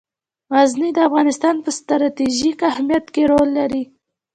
غزني د افغانستان په ستراتیژیک اهمیت کې رول لري.